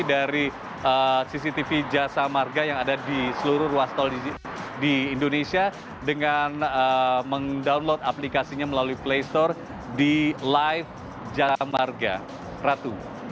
dari cctv jasa marga yang ada di seluruh ruas tol di indonesia dengan meng download aplikasinya melalui playstore di live jasa marga ratu